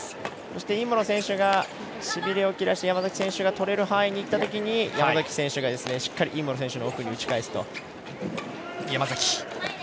尹夢ろ選手はしびれをきらして山崎選手がとれる範囲にいったときに山崎選手がしっかり尹夢ろ選手の奥に打ち返す。